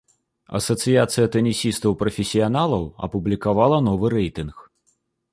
Асацыяцыя тэнісістаў прафесіяналаў апублікавала новы рэйтынг.